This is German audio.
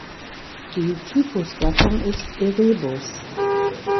Die Typusgattung ist "Erebus".